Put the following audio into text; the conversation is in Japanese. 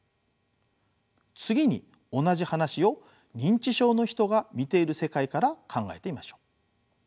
次に同じ話を認知症の人が見ている世界から考えてみましょう。